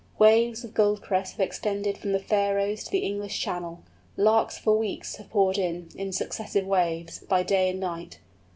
Waves of Goldcrests have extended from the Faröes to the English Channel; Larks for weeks have poured in, in successive waves, by day and night.